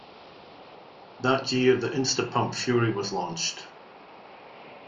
That year, the Insta Pump Fury was launched.